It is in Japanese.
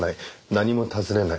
何も尋ねない。